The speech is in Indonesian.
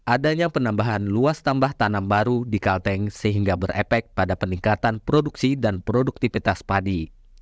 adanya penambahan luas tambah tanam baru di kalteng sehingga berepek pada peningkatan produksi dan produktivitas padi